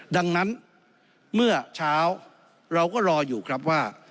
ดังนั้นเมื่อเช้าเราก็รออยู่ครับว่า